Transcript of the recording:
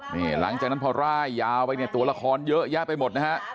นี่หลังจากนั้นพอร่ายยาวไปเนี่ยตัวละครเยอะแยะไปหมดนะฮะ